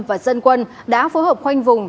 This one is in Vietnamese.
và dân quân đã phối hợp khoanh vùng